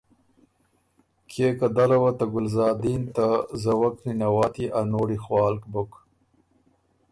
کيې که دله وه ته ګلزادین ته زوَک نِنواتيې ا نوړی خوالک بُک۔